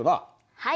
はい。